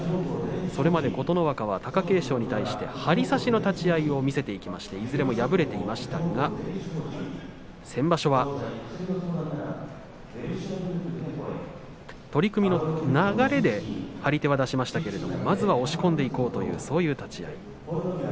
それまで琴ノ若は貴景勝に対して張り差しの立ち合いを見せてきましていずれも敗れていましたが先場所は取組の流れで張り手は出しましたけれどまずは押し込んでいこうというそういう立ち合い。